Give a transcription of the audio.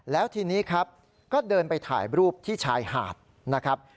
แล้วทีนี้ครับก็เดินไปถ่ายรูปที่ชายหาดนะครับ